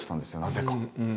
なぜか。